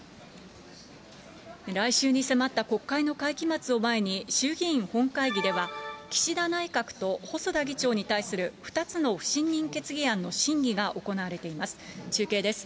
来週に迫った国会の会期末を前に、衆議院本会議では、岸田内閣と細田議長に対する２つの不信任決議案の審議が行われています。